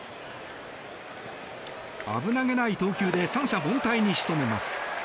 危なげない投球で三者凡退に仕留めます。